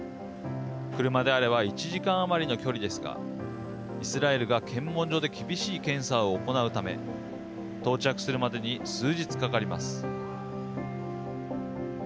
車であれば１時間あまりの距離ですがイスラエルが検問所で厳しい検査を行うため到着するまでに数日かかります。